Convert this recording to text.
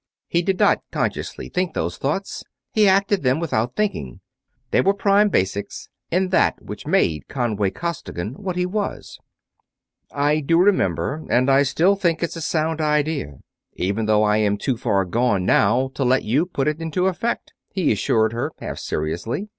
He did not consciously think those thoughts. He acted them without thinking; they were prime basics in that which made Conway Costigan what he was. "I do remember, and I still think it's a sound idea, even though I am too far gone now to let you put it into effect," he assured her, half seriously.